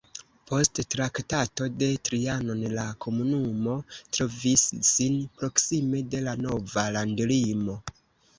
Post Traktato de Trianon la komunumo trovis sin proksime de la nova landlimo.